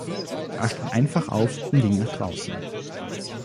Er stand einfach auf und ging nach draußen.